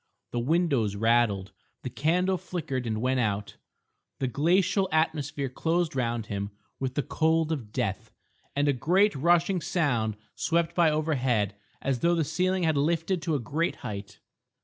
The windows rattled. The candle flickered and went out. The glacial atmosphere closed round him with the cold of death, and a great rushing sound swept by overhead as though the ceiling had lifted to a great height.